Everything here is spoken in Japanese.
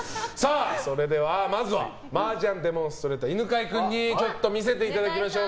それでは、まずは麻雀デモンストレーター犬飼君に見せていただきましょう。